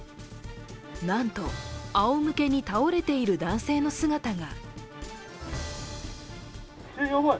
なんと、あおむけに倒れている男性の姿が。